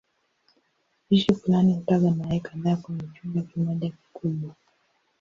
Spishi fulani hutaga mayai kadhaa kwenye chumba kimoja kikubwa.